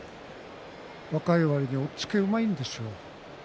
若いわりに押っつけがうまいんですよ。